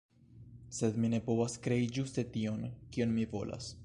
sed mi ne povas krei ĝuste tion, kion mi volas.